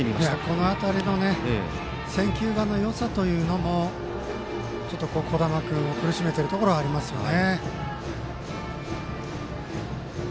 この辺りの選球眼のよさというのも小玉君苦しめてるところがありますよね。